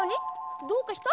どうかした？